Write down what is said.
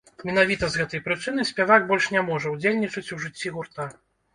Менавіта з гэтай прычыны спявак больш не можа ўдзельнічаць у жыцці гурта.